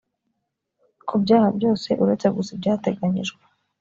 ku byaha byose uretse gusa ibyateganyijwe